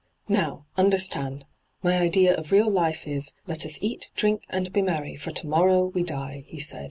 ' Now, understand ! My idea of real life is, " Let us eat, drink, and be merry, for to morrow we die," ' he said.